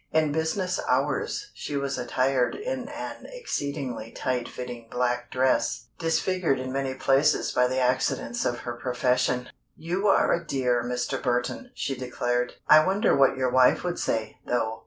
In business hours she was attired in an exceedingly tight fitting black dress, disfigured in many places by the accidents of her profession. "You are a dear, Mr. Burton," she declared. "I wonder what your wife would say, though?"